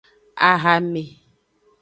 Ahame.